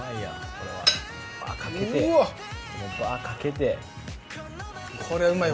これ、バーっかけて。